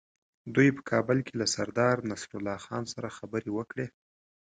دوی په کابل کې له سردار نصرالله خان سره خبرې وکړې.